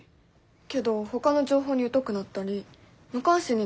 けどほかの情報に疎くなったり無関心になったりしない？